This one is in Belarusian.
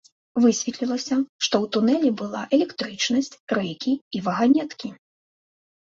Высветлілася, што ў тунэлі была электрычнасць, рэйкі і ваганеткі!